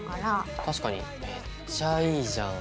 確かにめっちゃいいじゃん。